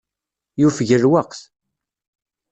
Yufeg lweqt.